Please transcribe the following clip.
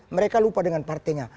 mereka lupa dengan partainya